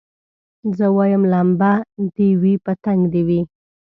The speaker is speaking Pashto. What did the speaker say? زه وايم لمبه دي وي پتنګ دي وي